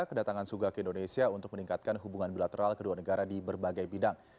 kedatangan suga ke indonesia untuk meningkatkan hubungan bilateral kedua negara di berbagai bidang